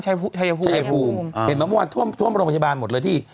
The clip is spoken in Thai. ชัยภูมิเห็นมาเมื่อวานท่วมท่วมโรงพยาบาลหมดเลยที่